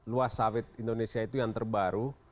luas sawit indonesia itu yang terbaru